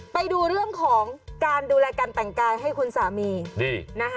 ไปดูเรื่องของการดูแลการแต่งกายให้คุณสามีดีนะฮะ